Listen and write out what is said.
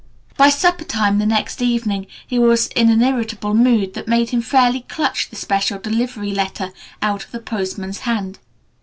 By supper time the next evening he was in an irritable mood that made him fairly clutch the special delivery letter out of the postman's hand.